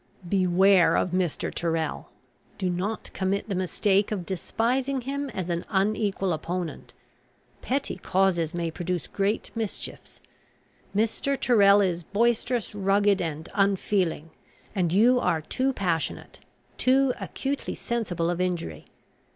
Beware of Mr. Tyrrel. Do not commit the mistake of despising him as an unequal opponent. Petty causes may produce great mischiefs. Mr. Tyrrel is boisterous, rugged, and unfeeling; and you are too passionate, too acutely sensible of injury.